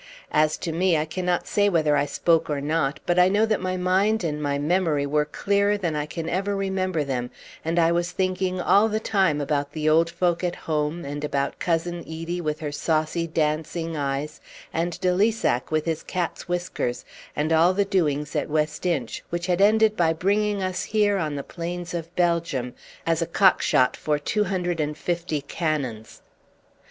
As to me, I cannot say whether I spoke or not, but I know that my mind and my memory were clearer than I can ever remember them, and I was thinking all the time about the old folk at home, and about Cousin Edie with her saucy, dancing eyes, and de Lissac with his cat's whiskers, and all the doings at West Inch, which had ended by bringing us here on the plains of Belgium as a cockshot for two hundred and fifty cannons.